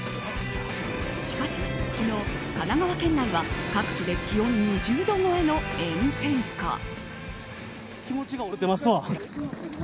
しかし昨日、神奈川県内は各地で気温２０度超えの炎天下。